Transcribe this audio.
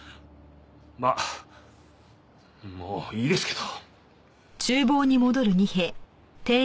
まあもういいですけど。